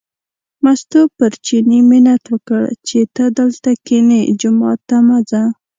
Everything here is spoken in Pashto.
مستو پر چیني منت وکړ چې ته دلته کینې، جومات ته مه ځه.